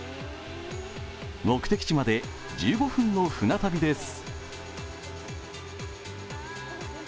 目的地まで１５分の船旅です。